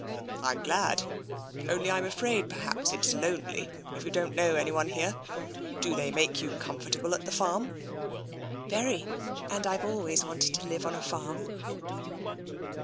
" I'm glad. Only I'm afraid perhaps it's lonely, if you don't know anyone here. Do they make you comfortable at the farm?" " Very, and I've always wanted to live on a farm."